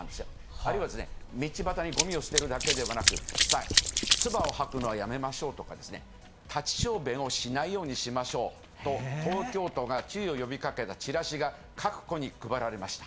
あるいは道端にごみを捨てるだけではなく、唾を吐くのはやめましょうとかですね、立ち小便をしないようにしましょうと、東京都が注意を呼びかけたチラシが各戸に配られました。